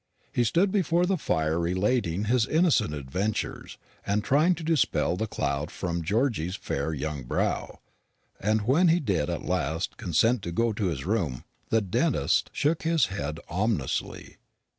He stood before the fire relating his innocent adventures, and trying to dispel the cloud from Georgy's fair young brow; and, when he did at last consent to go to his room, the dentist shook his head ominously.